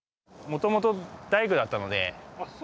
もともと、大工だったので。